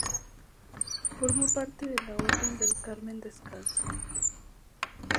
Formó parte de la Orden del Carmen Descalzo.